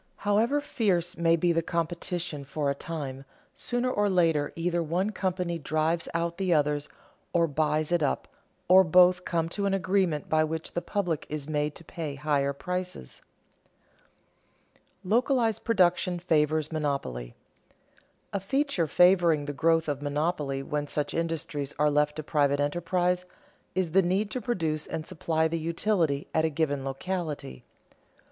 However fierce may be the competition for a time, sooner or later either one company drives out the other or buys it up, or both come to an agreement by which the public is made to pay higher prices. [Sidenote: Localized production favors monopoly] A feature favoring the growth of monopoly when such industries are left to private enterprise, is the need to produce and supply the utility at a given locality.